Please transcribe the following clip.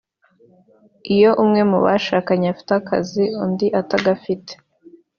Iyo umwe mu bashakanye afite akazi undi atagafite